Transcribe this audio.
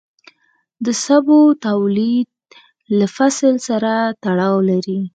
د سبو تولید له فصل سره تړاو لري.